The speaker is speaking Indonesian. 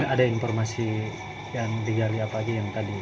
ada informasi yang tiga lihat lagi yang tadi